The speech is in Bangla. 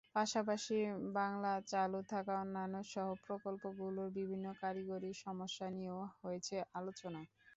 পাশাপাশি বাংলা চালু থাকা অন্যান্য সহ-প্রকল্পগুলোর বিভিন্ন কারিগরি সমস্যা নিয়েও হয়েছে আলোচনা।